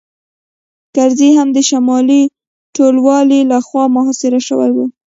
کرزی هم د شمالي ټلوالې لخوا محاصره شوی و